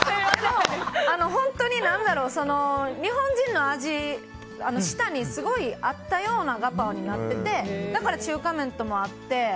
本当に日本人の舌にすごい合ったようなガパオになっててだから中華麺とも合って。